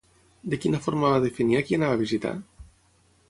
De quina forma va definir a qui anava a visitar?